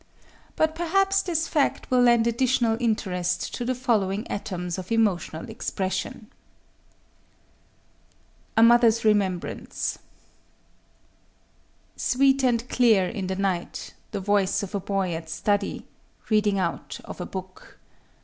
But perhaps this fact will lend additional interest to the following atoms of emotional expression:— A MOTHER'S REMEMBRANCE _Sweet and clear in the night, the voice of a boy at study, Reading out of a book….